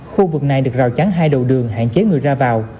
khu vực này được rào chắn hai đầu đường hạn chế người ra vào